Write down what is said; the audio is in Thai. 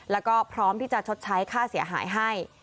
แล้วก็พร้อมที่จะชดใช้ค่าเสียหายให้